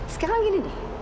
sekarang begini deh